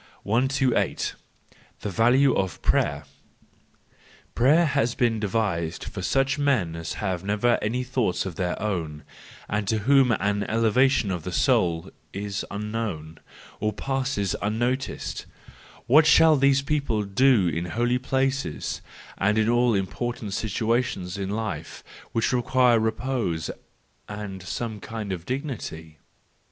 128. The Value of Prayer .—Prayer has been devised for such men as have never any thoughts of their own, and to whom an elevation of the soul is un¬ known, or passes unnoticed; what shall these people do in holy places and in all important situa¬ tions in life which require repose and some kind of dignity?